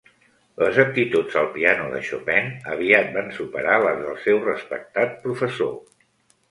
Les aptituds al piano de Chopin aviat van superar les del seu respectat professor.